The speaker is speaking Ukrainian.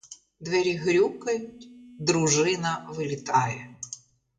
Двері грюкають, дружина вилітає.